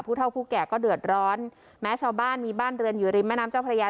เท่าผู้แก่ก็เดือดร้อนแม้ชาวบ้านมีบ้านเรือนอยู่ริมแม่น้ำเจ้าพระยา